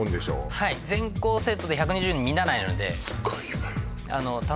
はい全校生徒で１２０人満たないのですごいわよ